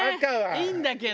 いいんだけど。